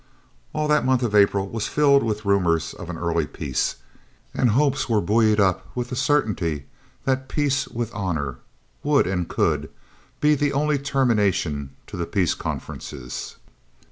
All that month of April was filled with rumours of an early peace, and hopes were buoyed up with the certainty that "peace with honour" would and could be the only termination to the peace conferences.